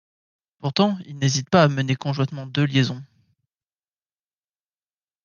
Pourtant il n'hésite pas à mener conjointement deux liaisons...